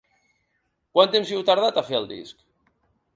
Quant temps hi heu tardat, a fer el disc?